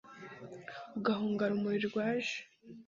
ugahunga rumuri rwaje